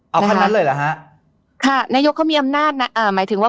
เอาขั้นนั้นเลยเหรอฮะค่ะนายกเขามีอำนาจอ่าหมายถึงว่า